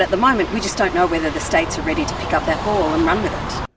tapi pada saat ini kita tidak tahu apakah negara sedia untuk mengambil alih hal itu dan berjalan dengannya